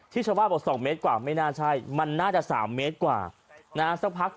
ชาวบ้านบอก๒เมตรกว่าไม่น่าใช่มันน่าจะ๓เมตรกว่านะสักพัก